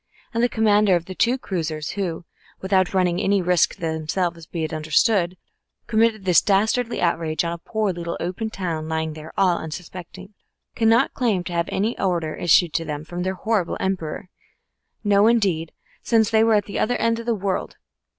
And the commander of the two cruisers, who, without running any risk to themselves, be it understood, committed this dastardly outrage on a poor little open town lying there all unsuspecting, cannot claim to have had any order issued to them from their horrible Emperor no, indeed, since they were at the other end of the world.